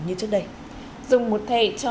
như trước đây dùng một thầy cho